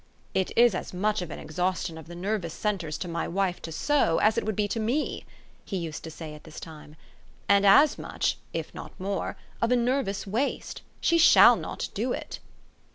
"It is as much of an exhaustion of the nervous centres to my wife to sew as it would be to me," he used say at this time, " and as much, if not more, of a nervous waste. She shall not do it."